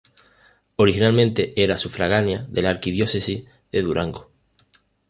Originalmente era sufragánea de la Arquidiócesis de Durango.